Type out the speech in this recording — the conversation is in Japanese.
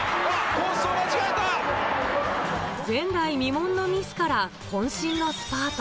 前代未聞のミスからこん身のスパート。